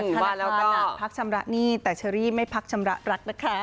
ขนาดพักชำระหนี้แต่เชอรี่ไม่พักชำระรักนะคะ